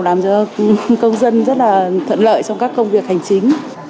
làm cho công dân rất là thuận lợi trong các công việc hành chính